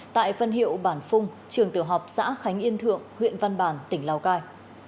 tại phân hiệu bản phung trường tử học xã khánh yên thượng huyện văn bản tỉnh lào cai